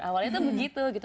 awalnya itu begitu gitu